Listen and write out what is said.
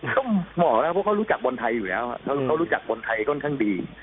ก็เหมาะแล้วเพราะเขารู้จักคนไทยอยู่แล้วเขารู้จักคนไทยค่อนข้างดี